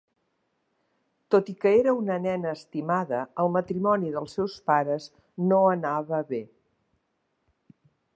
Tot i que era un nena estimada, el matrimoni dels seus pares no anava bé.